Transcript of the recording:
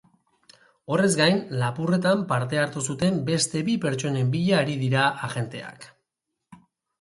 Horrez gain lapurretan parte hartu zuten beste bi pertsonen bila ari dira agenteak.